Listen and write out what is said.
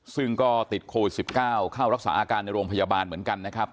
ซึ่งก็ติดโควิด๑๙เข้ารักษาอาการในโรงพยาบาลเหมือนกันนะครับ